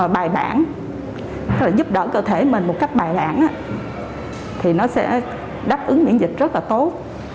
bài bản giúp đỡ cơ thể mình một cách bài bản thì nó sẽ đáp ứng miễn dịch rất là tốt